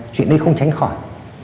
chuyện đấy không tránh khỏi